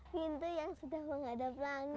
pintu yang sudah menghadap langit